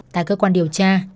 tại cơ quan điều tra